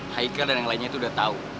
haika dan yang lainnya itu udah tahu